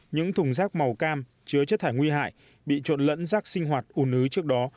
những thùng rác màu cam chứa chất thải nguy hại bị trộn lẫn rác sinh hoạt ủ nứ trước đó